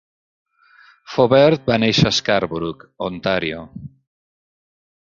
Faubert va néixer a Scarborough, Ontàrio.